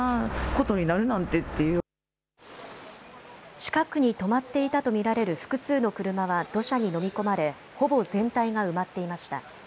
近くに止まっていたと見られる複数の車は土砂に飲み込まれほぼ全体が埋まっていました。